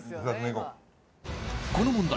この問題